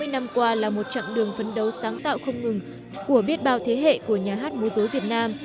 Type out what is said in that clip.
sáu mươi năm qua là một chặng đường phấn đấu sáng tạo không ngừng của biết bao thế hệ của nhà hát múa dối việt nam